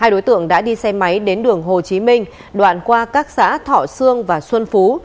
hai đối tượng đã đi xe máy đến đường hồ chí minh đoạn qua các xã thọ sương và xuân phú